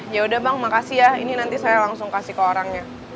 ya udah bang makasih ya ini nanti saya langsung kasih ke orangnya